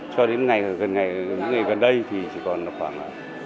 cho đến ngày gần đây thì chỉ còn khoảng sáu bảy mươi